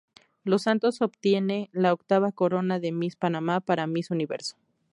Los Santos obtiene la octava corona de Miss Panamá para Miss Universo.